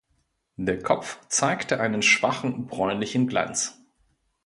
Der Kopf zeigte einen schwachen bräunlichen Glanz.